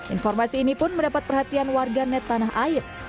informasi ini pun mendapat perhatian warga net tanah air